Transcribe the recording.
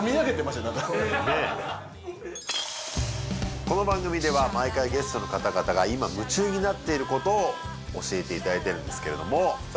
この番組では毎回ゲストの方々が今夢中になっていることを教えていただいてるんですけれどもさあ